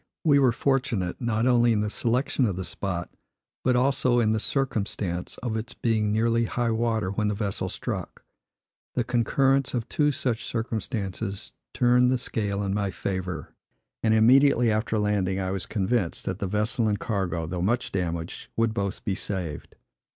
We were fortunate, not only in the selection of the spot, but also in the circumstance of its being nearly high water when the vessel struck. The concurrence of two such circumstances turned the scale in my favor; and immediately after landing I was convinced, that the vessel and cargo, though much damaged, would both be saved.